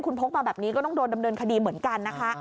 คุณพกมาแบบนี้ก็ต้องโดนดำเนินคดีเหมือนกันนะคะ